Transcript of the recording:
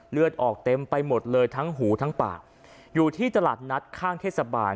เลือดออกเต็มไปหมดเลยทั้งหูทั้งปากอยู่ที่ตลาดนัดข้างเทศบาล